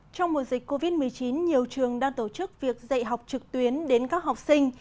trong mùa dịch covid một mươi chín nhiều trường đang tổ chức việc dạy học trực tuyến đến các học sinh